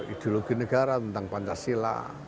ideologi negara tentang pancasila